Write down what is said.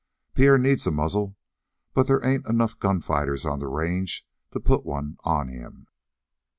Pierre needs a muzzle, but there ain't enough gunfighters on the range to put one on him."